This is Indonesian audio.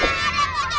dia bukan rafa